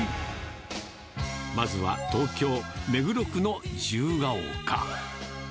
まずは東京・目黒区の自由が丘。